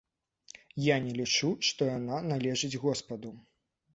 Я не лічу, што яна належыць госпаду.